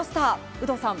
有働さん